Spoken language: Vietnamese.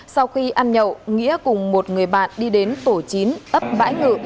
sau khi ăn nhậu nghĩa cùng một người bạn đi đến tổ chín ấp bãi ngự